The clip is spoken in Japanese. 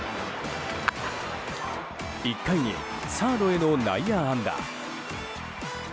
１回にサードへの内野安打。